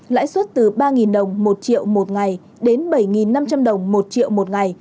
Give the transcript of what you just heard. lãi suất từ ba đồng một triệu một ngày đến bảy năm trăm linh đồng một triệu một ngày